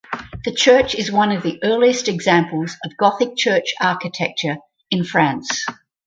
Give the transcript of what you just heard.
The church is one of the earliest examples of Gothic church architecture in France.